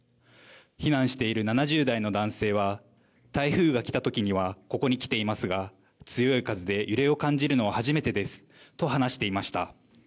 避難している７０代の男性は、台風が来たときにはここに来ていますが、強い風で揺れを感じるのは初めてですと話していました。